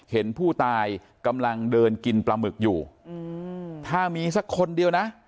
เห็นผู้ตายกำลังเดินกินปลาหมึกอยู่ถ้ามีสักคนเดียวนะ